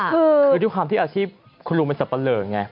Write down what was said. คือด้วยความที่อาชีพคุณลูกเป็นสัปดาห์เริ่มไง